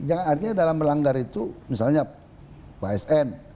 jangan artinya dalam melanggar itu misalnya pak sn